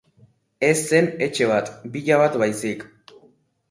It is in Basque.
Ez zen etxe bat, villa bat baizik.